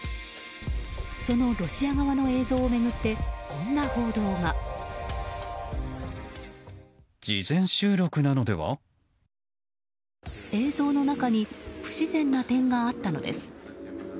そのロシア側の映像を巡ってこんな報道が。映像の中に不自然な点があったのです。